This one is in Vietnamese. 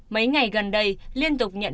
mấy ngày gần đây liên tục nhận